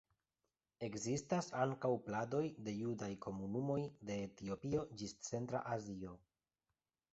Ekzistas ankaŭ pladoj de judaj komunumoj de Etiopio ĝis Centra Azio.